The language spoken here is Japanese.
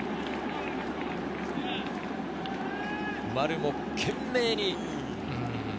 丸も懸命に。